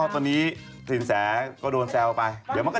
ตีเตือนได้ตัวแบบนี้